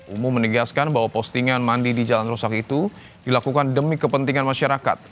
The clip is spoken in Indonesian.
umu menegaskan bahwa postingan mandi di jalan rusak itu dilakukan demi kepentingan masyarakat